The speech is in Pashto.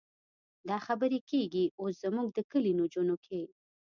دا خبرې کېږي اوس زموږ د کلي نجونو کې.